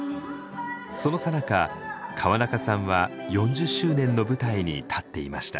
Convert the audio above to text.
そのさなか川中さんは４０周年の舞台に立っていました。